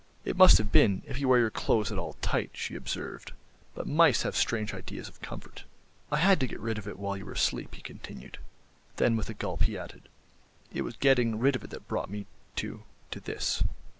"It must have been, if you wear your clothes at all tight," she observed; "but mice have strange ideas of comfort." "I had to get rid of it while you were asleep," he continued; then, with a gulp, he added, "it was getting rid of it that brought me to—to this."